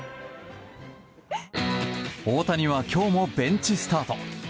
大谷は今日もベンチスタート。